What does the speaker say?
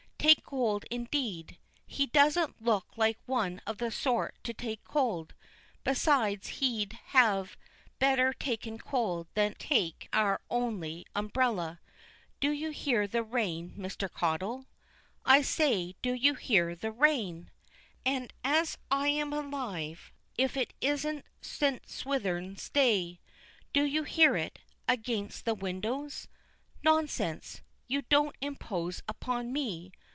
Take cold, indeed! He doesn't look like one of the sort to take cold. Besides, he'd have better taken cold than take our only umbrella. Do you hear the rain, Mr. Caudle? I say, do you hear the rain? And as I'm alive, if it isn't St. Swithin's day! Do you hear it, against the windows? Nonsense; you don't impose upon me.